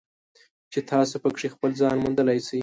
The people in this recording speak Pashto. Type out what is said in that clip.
چې تاسو پکې خپل ځان موندلی شئ.